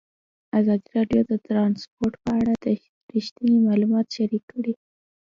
ازادي راډیو د ترانسپورټ په اړه رښتیني معلومات شریک کړي.